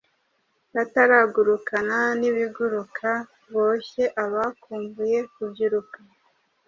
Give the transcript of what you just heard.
Batagurukana n'ibiguruka Boshye abakumbuye kubyiruka